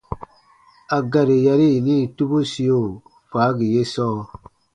A gari yari yini tubusio faagi ye sɔɔ :